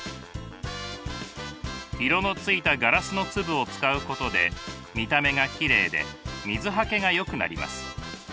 色のついたガラスの粒を使うことで見た目がきれいで水はけがよくなります。